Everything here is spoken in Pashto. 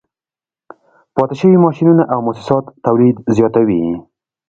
پاتې شوي ماشینونه او موسسات تولید زیاتوي